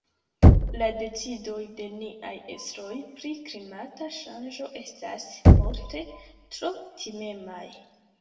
La decidoj de niaj estroj pri klimata ŝanĝo estas multe tro timemaj.